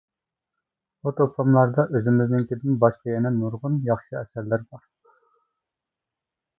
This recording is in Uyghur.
بۇ توپلاملاردا ئۆزىمىزنىڭكىدىن باشقا يەنە نۇرغۇن ياخشى ئەسەرلەر بار.